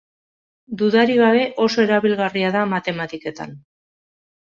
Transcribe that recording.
Dudarik gabe, oso erabilgarria da matematiketan.